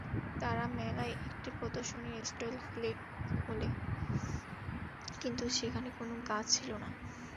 তারা মেলায় একটি প্রদর্শনী স্টল খোলে, কিন্তু সেখানে কোনো গাছ ছিল না।